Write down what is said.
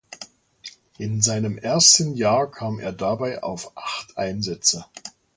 In seinem ersten Jahr kam er dabei auf acht Einsätze.